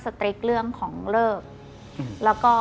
สุดท้าย